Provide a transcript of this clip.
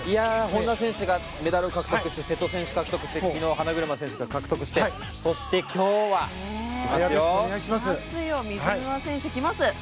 本多選手がメダルを獲得そして瀬戸選手が獲得昨日、花車選手が獲得してそして今日は、いきますよ。